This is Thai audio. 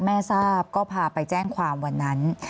แม่ทราบเลยเจ้งความวันนั้น